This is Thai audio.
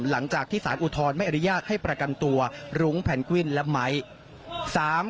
หลังจากที่ศาสตร์อุทธรณ์ไม่อริยากให้ประกันตัวรุ้งแผ่นกวิ้นและไหม